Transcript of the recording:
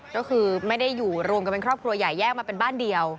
ก็คือไม่ได้อยู่รวมกันเป็นครอบครัวใหญ่แยกมาเป็นบ้านเดียว